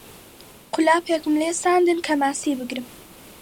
قولاپێکم لێ ساندن کە ماسی بگرم